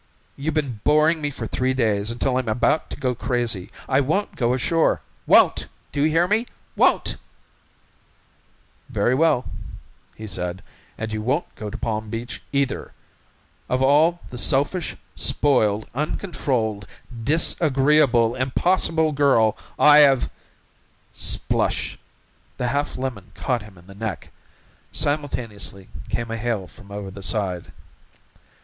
You've been boring me for three days until I'm about to go crazy. I won't go ashore! Won't! Do you hear? Won't!" "Very well," he said, "and you won't go to Palm Beach either. Of all the selfish, spoiled, uncontrolled disagreeable, impossible girl I have " Splush! The half lemon caught him in the neck. Simultaneously came a hail from over the side.